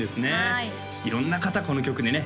はい色んな方この曲にね